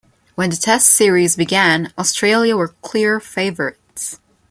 When the Test series began, Australia were clear favourites.